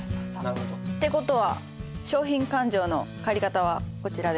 って事は商品勘定の借方はこちらで。